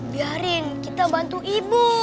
biarin kita bantu ibu